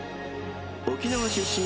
［沖縄出身